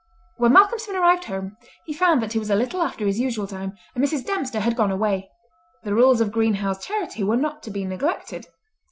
When Malcolmson arrived home he found that it was a little after his usual time, and Mrs. Dempster had gone away—the rules of Greenhow's Charity were not to be neglected.